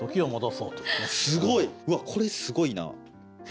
うわこれすごいな。